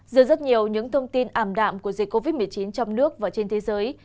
giữa rất nhiều những thông tin ảm đạm của dịch covid một mươi chín trong nước và trên thế giới